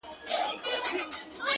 د فاصلو په تول کي دومره پخه سوې يمه ـ